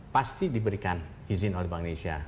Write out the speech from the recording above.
pasti diberikan izin oleh bank indonesia